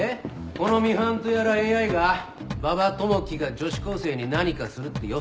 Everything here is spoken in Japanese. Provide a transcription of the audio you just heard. このミハンとやらＡＩが馬場智樹が女子高生に何かするって予測したわけか。